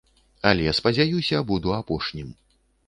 Але, спадзяюся, буду апошнім.